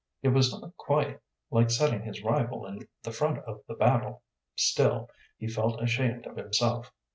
It was not quite like setting his rival in the front of the battle; still, he felt ashamed of himself.